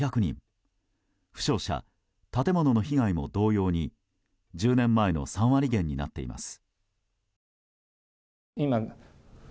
負傷者、建物の被害も同様に１０年前の３割減になっています。